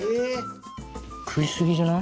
食い過ぎじゃない？